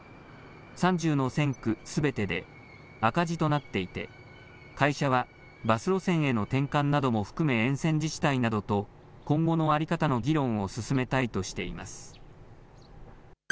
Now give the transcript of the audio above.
３０の線区すべてで赤字となっていて、会社はバス路線への転換なども含め沿線自治体などと今後の在り方の議論を進めたいとしています。